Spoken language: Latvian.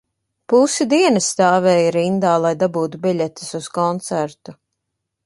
Pusi dienas stāvēja rindā, lai dabūtu biļetes uz koncertu